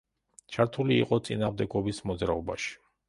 ჩართული იყო წინააღმდეგობის მოძრაობაში.